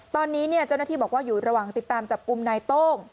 ตอนนี้เจ้าหน้าที่บอกว่าอยู่ระหว่างติดตามจับกลุ่มนายโต้ง